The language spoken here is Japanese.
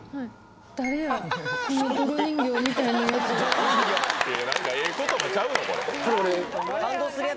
「誰や？